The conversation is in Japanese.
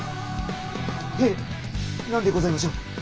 へえ何でございましょう？